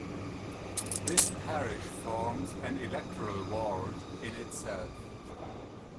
This parish forms an electoral ward in itself.